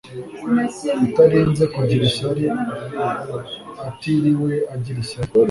Utarinze kugira ishyari atiriwe agira ishyari